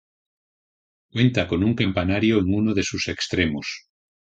Cuenta con un campanario en uno de sus extremos.